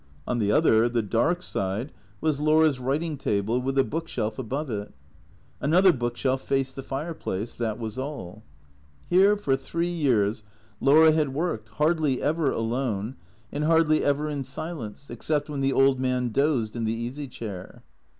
On the other, the dark side, was Laura's writing table, with a book shelf above it. Another book shelf faced the fireplace. That was all. Here, for three years, Laura had worked, hardly ever alone, and hardly ever in silence, except when the old man dozed in the easy chair.